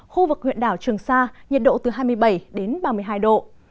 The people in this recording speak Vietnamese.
khu vực huyện đảo trường sa nhiệt độ từ hai mươi bảy đến ba mươi hai độ